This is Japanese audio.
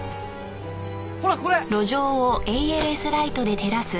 ほらこれ。